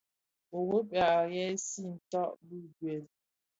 Europa a ňyisè tsag bi duel.